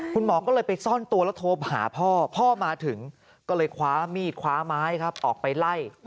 คุณหมอก็เลยไปซ่อนตัวแล้วโทรหาพ่อพ่อมาถึงก็เลยคว้ามีดคว้าไม้ครับออกไปไล่